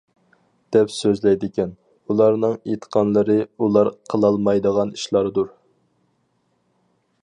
دەپ سۆزلەيدىكەن. «ئۇلارنىڭ ئېيتقانلىرى ئۇلار قىلالمايدىغان ئىشلاردۇر» .